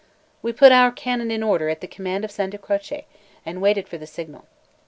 We put our cannon in order at the command of Santacroce, and waited for the signal.